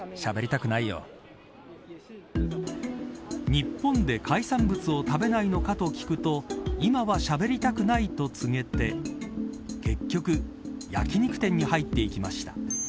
日本で海産物を食べないのかと聞くと今はしゃべりたくないと告げて結局、焼き肉店に入っていきました。